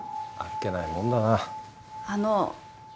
あの。